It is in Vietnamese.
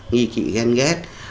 nghị kỵ ghen ghét